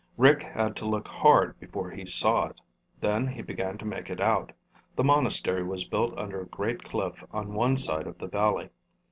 Rick had to look hard before he saw it. Then he began to make it out. The monastery was built under a great cliff on one side of the valley.